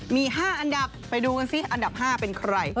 มี๕อันดับไปดูกันสิอันดับ๕เป็นใคร